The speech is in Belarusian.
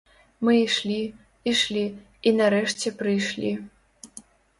Мы ішлі, ішлі і нарэшце прыйшлі.